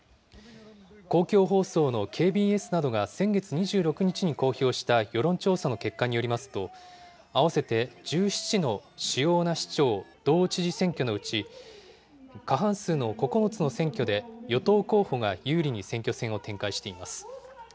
公共放送のＫＢＳなどが先月２６日に公表した世論調査の結果によりますと、合わせて１７の主要な市長・道知事選挙のうち、過半数の９つの選挙で、与党候補が有利に選挙戦を展開しています。